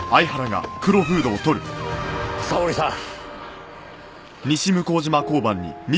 沙織さん。